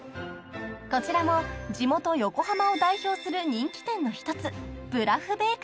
［こちらも地元横浜を代表する人気店の１つ］